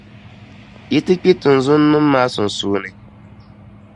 yi ti kpi tinzunnim’ maa sunsuuni.